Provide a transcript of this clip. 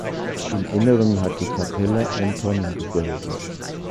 Im Inneren hat die Kapelle ein Tonnengewölbe.